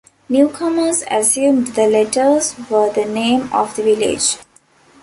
Newcomers assumed the letters were the name of the village.